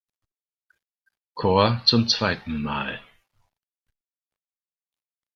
Korps zum zweiten Mal.